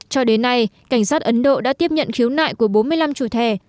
cho đến nay cảnh sát ấn độ đã tiếp nhận khiếu nại của bốn mươi năm trù thẻ